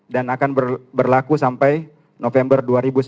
dan akan berlaku sampai november dua ribu sembilan belas